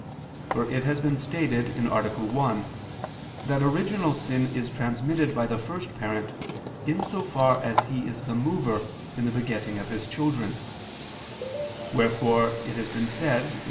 For it has been stated (A. 1) that original sin is transmitted by the first parent in so far as he is the mover in the begetting of his children: wherefore it has been said (A.